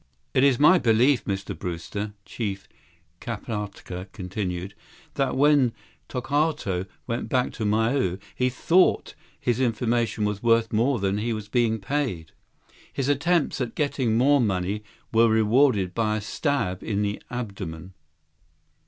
"It is my belief, Mr. Brewster," Chief Kapatka continued, "that when Tokawto went back to Maui, he thought his information was worth more than he was being paid. His attempts at getting more money were rewarded by a stab in the abdomen."